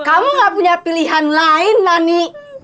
kamu gak punya pilihan lain nani